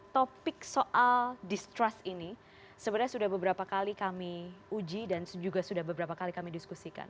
topik soal distrust ini sebenarnya sudah beberapa kali kami uji dan juga sudah beberapa kali kami diskusikan